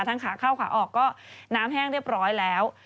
ขาเข้าขาออกก็น้ำแห้งเรียบร้อยแล้ว